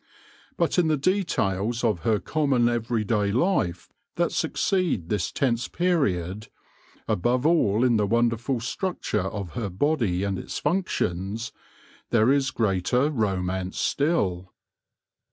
But in the details of her common every day life that succeed this tense period, above all in the wonderful structure of her body and its functions, there is greater romance still.